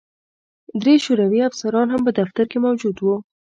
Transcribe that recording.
درې شوروي افسران هم په دفتر کې موجود وو